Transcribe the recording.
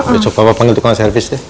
besok bapak panggil tukang servis deh